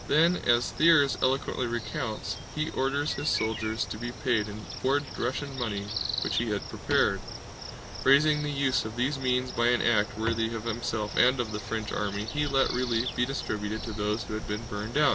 Then, as Thiers eloquently recounts, he ordered his soldiers to be paid in forged Russian money which he had prepared: "Raising the use of these means by an act worthy of himself and of the French army, he let relief be distributed to those who had been burned out.